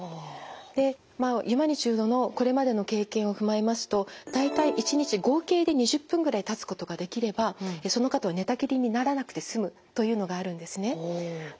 でまあユマニチュードのこれまでの経験を踏まえますと大体１日合計で２０分ぐらい立つことができればその方は寝たきりにならなくて済むというのがあるんですね。